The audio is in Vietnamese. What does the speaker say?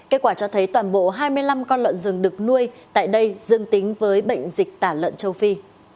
kết quả cho thấy toàn bộ hai mươi năm con lợn rừng được nuôi tại đây dương tính với bệnh dịch tả lợn châu phi